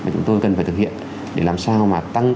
chúng tôi cần phải thực hiện để làm sao mà tăng